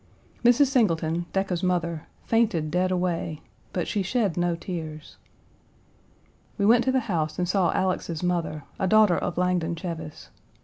Mrs. Singleton, Decca's mother, fainted dead away, but she shed no tears. We went to the house and saw Alex's mother, a daughter of Langdon Cheves.